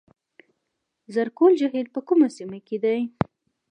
زرکول جهیل په کومه سیمه کې دی؟